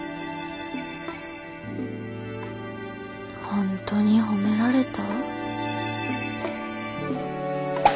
本当に褒められた？